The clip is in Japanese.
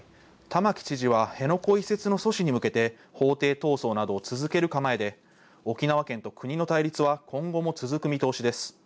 玉城知事は辺野古移設の阻止に向けて、法廷闘争などを続ける構えで沖縄県と国の対立は今後も続く見通しです。